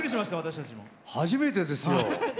初めてですよ。